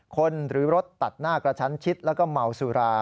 หรือรถตัดหน้ากระชั้นชิดแล้วก็เมาสุรา